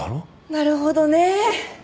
なるほどね。